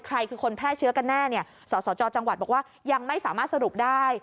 ใครคือคนแพร่เชื้อกันแน่เนี่ยสสจจังหวัดบอกว่ายังไม่สามารถสรุปได้